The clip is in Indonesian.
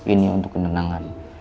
ini untuk kenangan